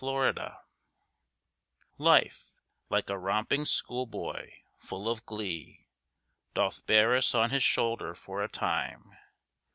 LIFE Life, like a romping schoolboy, full of glee, Doth bear us on his shoulder for a time.